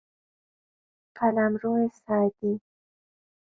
قلمرو سعدی